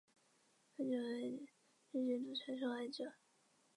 父亲为雾社事件日军大屠杀受害者。